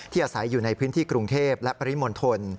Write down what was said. อาศัยอยู่ในพื้นที่กรุงเทพและปริมณฑล